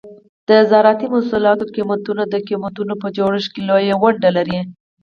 د زراعتي محصولاتو قیمتونه د قیمتونو په جوړښت کې لویه ونډه لري.